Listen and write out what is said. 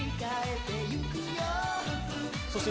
そして